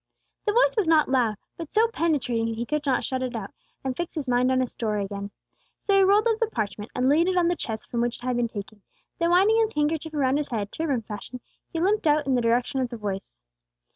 The voice was not loud, but so penetrating he could not shut it out, and fix his mind on his story again. So he rolled up the parchment and laid it on the chest from which it had been taken; then winding his handkerchief around his head, turban fashion, he limped out in the direction of the voice.